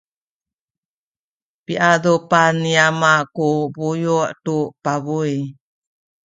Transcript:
piadupan ni ama ku buyu’ tu pabuy.